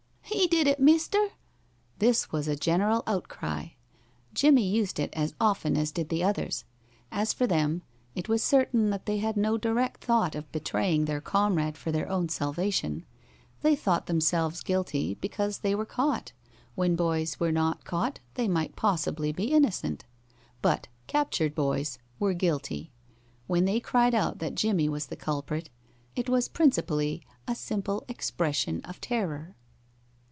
"He did it, mister!" This was a general outcry. Jimmie used it as often as did the others. As for them, it is certain that they had no direct thought of betraying their comrade for their own salvation. They thought themselves guilty because they were caught; when boys were not caught they might possibly be innocent. But captured boys were guilty. When they cried out that Jimmie was the culprit, it was principally a simple expression of terror.